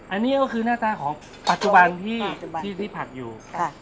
อันนี้ก็คือหน้าตาของปัจจุบันที่ผักอยู่